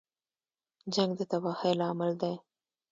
جنګ د تباهۍ لامل دی